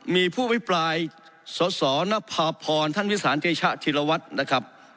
มีผู้อภิปรายสสนภาพรท่านวิสานเตชะธิรวัตรนะครับ